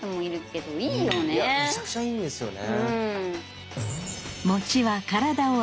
めちゃくちゃいいんですよね。